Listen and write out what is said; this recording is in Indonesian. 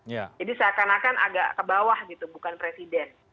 jadi seakan akan agak ke bawah gitu bukan presiden